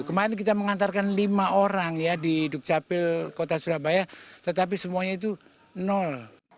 kemarin kita mengantarkan lima orang ya di dukcapil kota surabaya tetapi semuanya itu nol